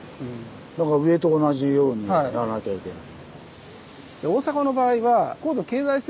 だから上と同じようにやらなきゃいけない。